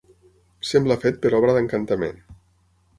Sembla fet per obra d'encantament.